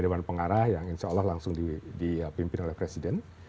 kami punya depan pengarah yang insya allah langsung dipimpin oleh presiden